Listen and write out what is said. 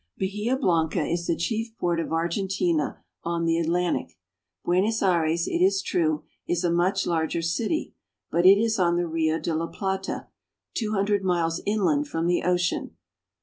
Bahia Blanca is the chief port of Argentina on the Atlantic. Buenos Aires, it is true, is a much larger city, but it is on the Rio de la Plata, two hundred miles inland from the ocean.